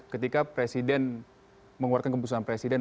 ketika presiden mengeluarkan keputusan presiden